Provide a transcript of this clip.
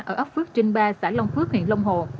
ở ấp phước trinh ba xã long phước huyện long hồ